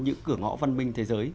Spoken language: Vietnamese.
những cửa ngõ văn minh thế giới